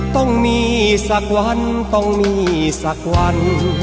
ต้องมีสักวันต้องมีสักวัน